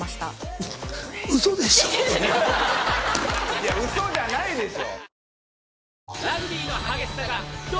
いやウソじゃないでしょ。